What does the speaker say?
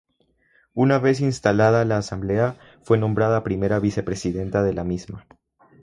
Una vez instalada la Asamblea fue nombrada primera vicepresidenta de la misma.